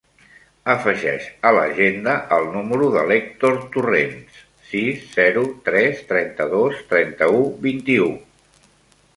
Afegeix a l'agenda el número de l'Hèctor Torrents: sis, zero, tres, trenta-dos, trenta-u, vint-i-u.